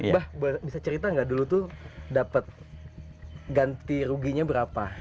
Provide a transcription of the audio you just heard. mbah bisa cerita nggak dulu tuh dapat ganti ruginya berapa